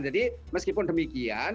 jadi meskipun demikian